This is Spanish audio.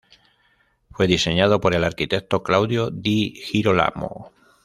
Fue diseñado por el arquitecto Claudio di Girolamo.